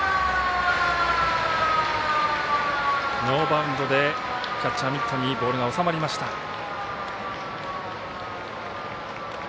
ノーバウンドでキャッチャーミットにボールが収まりました。